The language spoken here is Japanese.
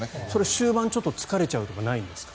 終盤ちょっと疲れちゃうとかないんですか？